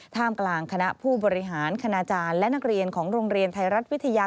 ท่ามกลางคณะผู้บริหารคณาจารย์และนักเรียนของโรงเรียนไทยรัฐวิทยา